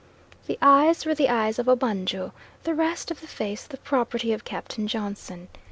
The eyes were the eyes of Obanjo, the rest of the face the property of Captain Johnson.